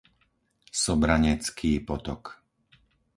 Sobranecký potok